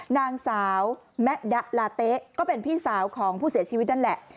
นางสาวแมะดะลาเต๊ะก็เป็นพี่สาวของผู้เสียชีวิตนั่นแหละ